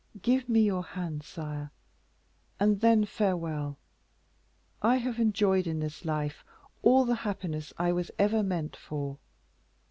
Give me your hand, sire; and then, farewell! I have enjoyed in this life all the happiness I was ever meant for."